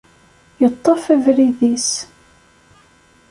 Yeṭṭef abrid-is.